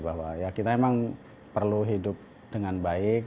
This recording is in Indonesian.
bahwa ya kita memang perlu hidup dengan baik